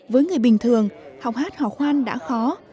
với người bình thường học hát hò khoan đã khó